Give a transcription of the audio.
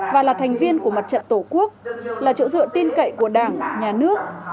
và là thành viên của mặt trận tổ quốc là chỗ dựa tin cậy của đảng nhà nước